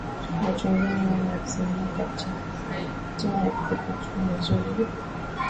Watu wengine wane walisimama karibu na pikipiki ya Zugu